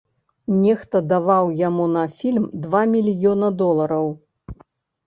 Нехта даваў яму на фільм два мільёна долараў.